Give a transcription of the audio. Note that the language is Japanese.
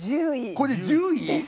これ１０位？